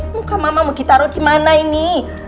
muka mama mau ditaruh di mana ini